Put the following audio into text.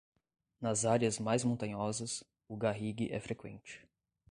Nas áreas mais montanhosas, o garrigue é freqüente.